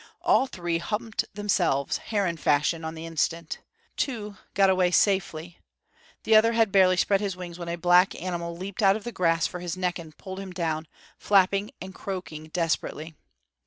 All three humped themselves, heron fashion, on the instant. Two got away safely; the other had barely spread his wings when a black animal leaped out of the grass for his neck and pulled him down, flapping and croaking desperately.